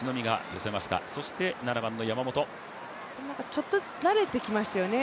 ちょっとずつ慣れてきましたよね